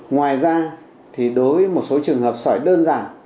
ngoài ra thì đối với một số trường hợp sỏi đơn giản